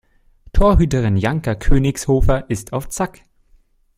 Torhüterin Janka Königshofer ist auf Zack.